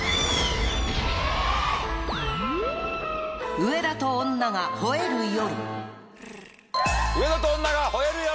『上田と女が吠える夜』！